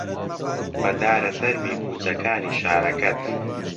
بەدارە تەرمی کووچەکانی شارەکەت